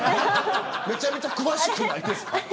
めちゃくちゃ詳しくないですか。